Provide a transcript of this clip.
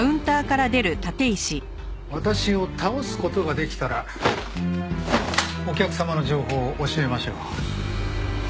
私を倒す事ができたらお客様の情報を教えましょう。